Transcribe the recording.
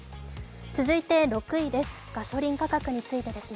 続いて６位、ガソリン価格についてです